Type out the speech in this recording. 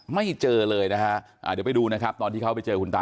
ไม่เจอเลยนะฮะเดี๋ยวไปดูนะครับตอนที่เขาไปเจอคุณตา